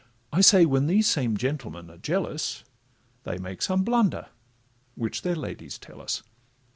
I say, when these same gentlemen are jealous, They make some blunder, which their ladies tell us.